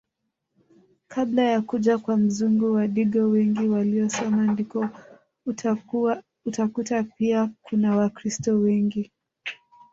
Kabla ya kuja kwa mzungu Wadigo wengi waliosoma ndiko utakuta pia kuna wakiristo wengi